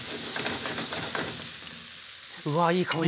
うわいい香りが。